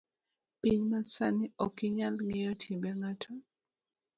Piny masani okinyal ngeyo timbe ngato